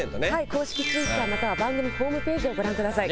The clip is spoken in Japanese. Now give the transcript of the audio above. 公式Ｔｗｉｔｔｅｒまたは番組ホームページをご覧ください。